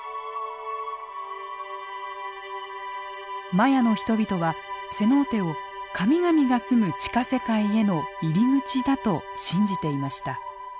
マヤの人々はセノーテを神々が住む地下世界への入り口だと信じていました。